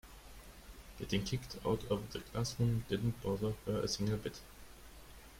Getting kicked out of the classroom didn't bother her a single bit.